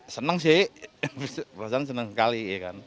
senang sih senang sekali